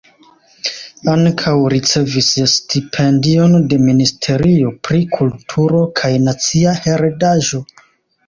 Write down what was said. Ankaŭ ricevis stipendion de Ministerio pri Kulturo kaj Nacia Heredaĵo.